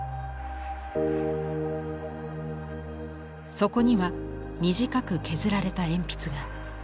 そこには短く削られた鉛筆が。